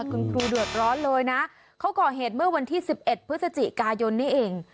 คุณครูเดือดร้อนเลยนะเขาก่อเหตุเมื่อวันที่๑๑พฤศจิกายนนี้เอง